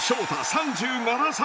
３７歳。